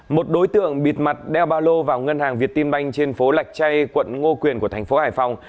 một đối tượng bịt mặt đeo ba lô vào ngân hàng việt tim banh trên phố lạch chay quận ngô quyền của thành phố hải phòng